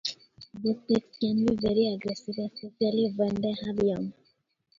Bushpigs can be very aggressive, especially when they have young.